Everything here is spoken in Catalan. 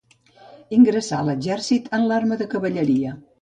Ingressà a l'exèrcit en l'arma de Cavalleria.